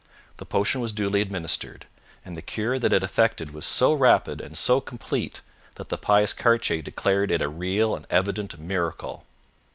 The potion was duly administered, and the cure that it effected was so rapid and so complete that the pious Cartier declared it a real and evident miracle.